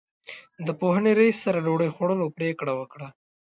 د پوهنې رئیس سره ډوډۍ خوړلو پرېکړه وکړه.